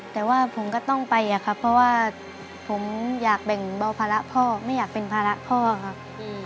แต่ว่าผมก็ต้องไปอะครับเพราะว่าผมอยากแบ่งเบาภาระพ่อไม่อยากเป็นภาระพ่อครับ